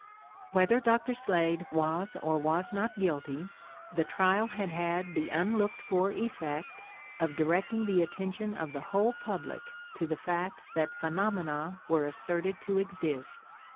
Whether Dr. Slade was or was not guilty, the trial had had the unlooked for effect [!] of directing the attention of the whole public to the fact that phenomena were asserted to exist...